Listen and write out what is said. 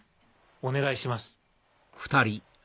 お願いします。